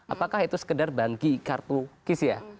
apakah itu sekedar bagi kartu kisah